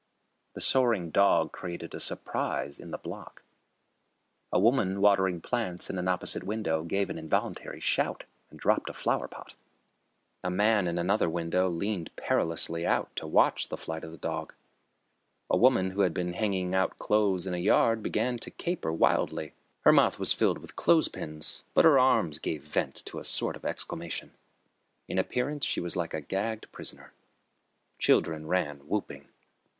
The soaring dog created a surprise in the block. A woman watering plants in an opposite window gave an involuntary shout and dropped a flower pot. A man in another window leaned perilously out to watch the flight of the dog. A woman who had been hanging out clothes in a yard began to caper wildly. Her mouth was filled with clothes pins, but her arms gave vent to a sort of exclamation. In appearance she was like a gagged prisoner. Children ran whooping.